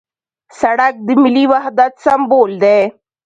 سړک د ملي وحدت سمبول دی.